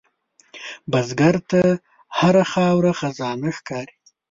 بزګر ته هره خاوره خزانه ښکاري